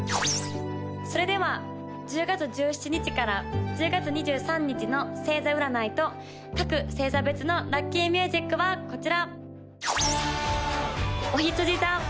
それでは１０月１７日から１０月２３日の星座占いと各星座別のラッキーミュージックはこちら！